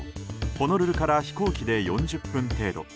ホノルルから飛行機で４０分程度。